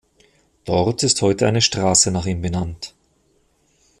Dort ist heute eine Straße nach ihm benannt.